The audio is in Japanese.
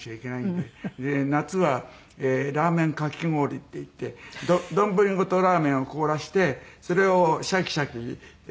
で夏はラーメンかき氷っていって丼ごとラーメンを凍らせてそれをシャキシャキかき氷で。